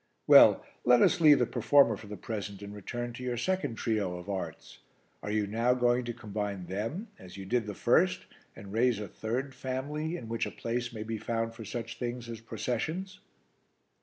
"Well, let us leave the performer for the present and return to your second trio of arts. Are you now going to combine them, as you did the first, and raise a third family in which a place may be found for such things as processions?"